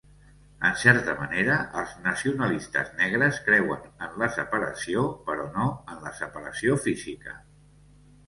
En certa manera, els nacionalistes negres creuen en la separació, però no en la separació física.